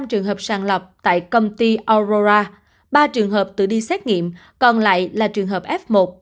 ba mươi năm trường hợp sàn lọc tại công ty aurora ba trường hợp tự đi xét nghiệm còn lại là trường hợp f một